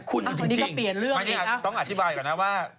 คุณจริงต้องอธิบายก่อนนะว่า